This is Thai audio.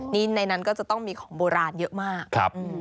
นี่ในนั้นก็จะต้องมีของโบราณเยอะมาก